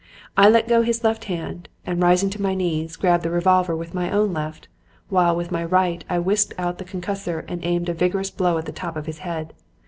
I let go his left hand, and, rising to my knees, grabbed the revolver with my own left, while, with my right, I whisked out the concussor and aimed a vigorous blow at the top of his head.